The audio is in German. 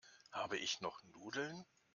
Habe ich noch Nudeln?